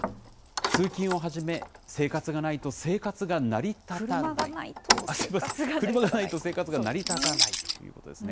通勤をはじめ、生活がないと生活車がないと生活が成り立たなそうですね。